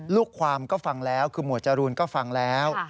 ลูกความก็ฟังแล้วคือหมวดจรูนก็ฟังแล้ว